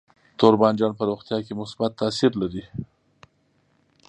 تور بانجان په روغتیا کې مثبت تاثیر لري.